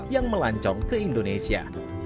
yang melancong ke indonesia